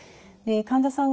患者さん